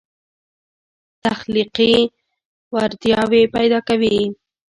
تخلیقي وړتیاوې پیدا کوي.